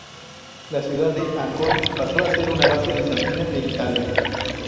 La ciudad de Ancona pasó a ser una base bizantina en Italia.